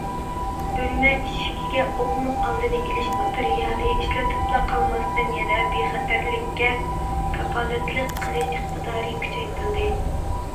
بۆلمە ئىشىكىگە ئوقنىڭ ئالدىنى ئېلىش ماتېرىيالى ئىشلىتىلىپلا قالماستىن يەنە بىخەتەرلىككە كاپالەتلىك قىلىش ئىقتىدارى كۈچەيتىلدى.